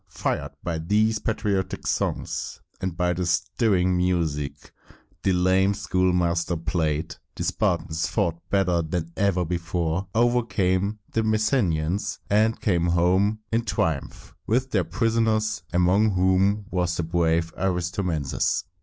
Fired by these patriotic songs, and by the stirring music the lame schoolmaster played, the Spartans fought better than ever before, overcame the Messenians, and came home in triumph with their prisoners, among whom was the brave Aristomenes.